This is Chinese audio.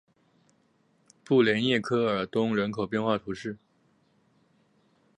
布雷涅科尔东人口变化图示